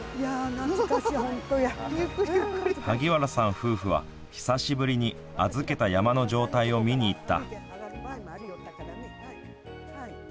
夫婦は久しぶりに預けた山の状態を見に行った。